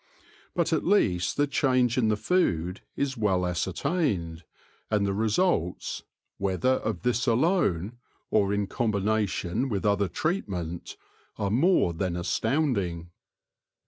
But at least the change in the food is well ascertained, and the results — whether of this alone, or in combination with other treatment — are more than astounding.